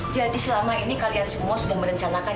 jadi selama ini kalian semua sudah merencanakan ya